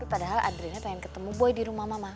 padahal adriana tanya ketemu boy di rumah mama